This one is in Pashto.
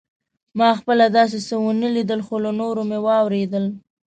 ما خپله داسې څه ونه لیدل خو له نورو مې واورېدل.